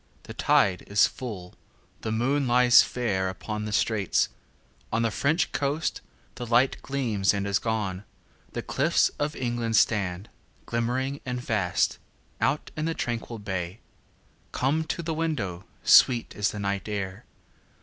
The tide is full, the moon lies fairUpon the straits;—on the French coast the lightGleams and is gone; the cliffs of England stand, Glimmering and vast, out in the tranquil bay. Come to the window, sweet is the night air!